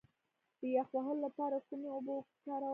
د یخ وهلو لپاره کومې اوبه وکاروم؟